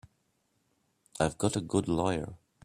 I've got a good lawyer.